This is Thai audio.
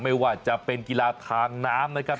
ไม่ว่าจะเป็นกีฬาทางน้ำนะครับ